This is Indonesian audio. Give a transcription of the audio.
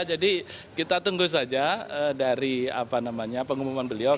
jadi kita tunggu saja dari pengumuman beliau